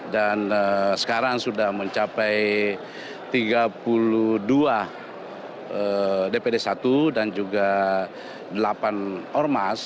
dan sekarang sudah mencapai tiga puluh dua dpd satu dan juga delapan ormas